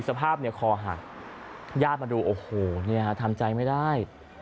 สภาพเนี่ยคอหักญาติมาดูโอ้โหทำใจไม่ได้